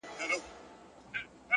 علم د ژوند اسانتیاوې رامنځته کوي،